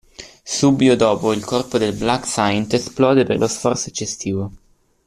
Subito dopo, il corpo del Black Saint esplode per lo sforzo eccessivo.